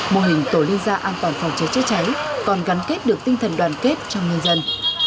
mô hình tổ liên gia an toàn phòng cháy chữa cháy còn gắn kết được tinh thần đoàn kết trong nhân dân